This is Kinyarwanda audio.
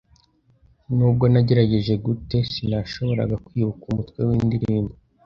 Nubwo nagerageje gute, sinashoboraga kwibuka umutwe windirimbo.